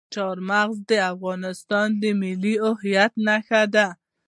چار مغز د افغانستان د ملي هویت نښه ده.